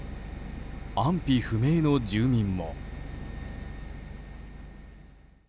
安否不明の住民も。